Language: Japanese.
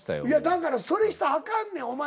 いやだからそれしたらあかんねん。